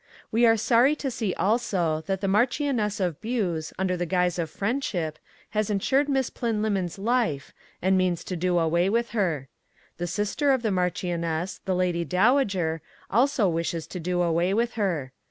We are sorry to see also that the Marchioness of Buse under the guise of friendship has insured Miss Plynlimmon's life and means to do away with her. The sister of the Marchioness, the Lady Dowager, also wishes to do away with her.